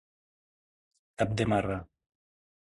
Cap de marrà.